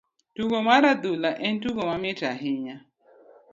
Tugo mar adhula en tugo mamit ahinya.